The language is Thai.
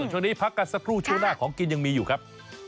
สักครู่ช่วงหน้าของกินยังมีอยู่ครับ